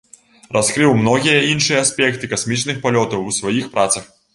Раскрыў многія іншыя аспекты касмічных палётаў у сваіх працах.